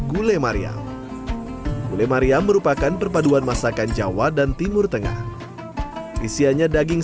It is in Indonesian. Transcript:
gule maryam gule maryam merupakan perpaduan masakan jawa dan timur tengah isiannya daging